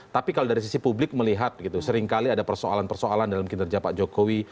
tapi kalau dari sisi publik melihat seringkali ada persoalan persoalan dalam kinerja pak jokowi